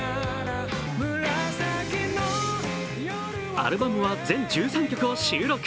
アルバムは全１３曲を収録。